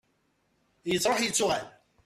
yettruḥ yettuɣal